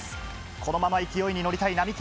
このまま勢いに乗りたい並木。